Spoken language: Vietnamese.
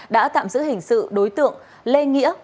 đã tạm giữ hình sự đối tượng lê nghĩa và tống văn phúc